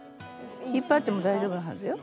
引っ張っても大丈夫なはずよ。